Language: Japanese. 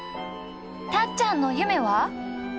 たっちゃんの夢は？